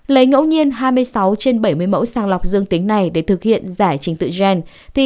lấy ngẫu nhiên hai mươi sáu trên bảy mươi mẫu sàng lọc dương tính này để thực hiện giải trình tự gen